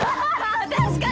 確かに！